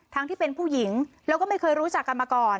ที่เป็นผู้หญิงแล้วก็ไม่เคยรู้จักกันมาก่อน